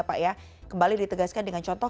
pak ya kembali ditegaskan dengan contoh